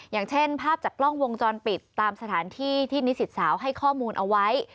อย่างเช่นภาพจากกล้องวงจรปิดตามสถานที่ที่นิสิตสาวให้ข้อมูลเอาไว้